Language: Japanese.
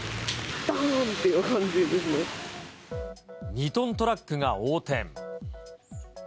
２トントラックが横転。